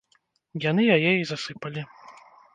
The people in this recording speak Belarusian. Яны яе і засыпалі.